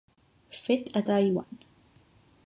Fet a Taiwan.